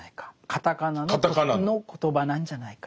カタカナのコトバなんじゃないか。